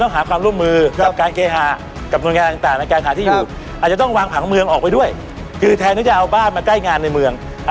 ทำไมครับก็เพราะอะไรรู้ไหมพวกกรทม๒อ่ะที่ดินแดงอ่ะ